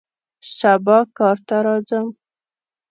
سبا کار ته راځم